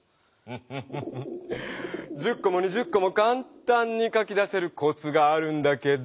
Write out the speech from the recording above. フフフフ１０こも２０こもかんたんに書き出せるコツがあるんだけど。